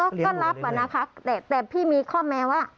ก็ก็รับอะนะคะแต่พี่มีข้อแม้ว่า